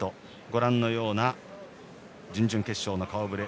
ご覧のような準々決勝の顔触れ。